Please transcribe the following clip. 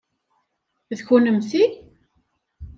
D kunemti?